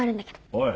おい。